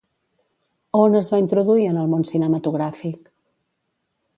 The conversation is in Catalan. A on es va introduir en el món cinematogràfic?